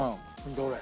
どれ。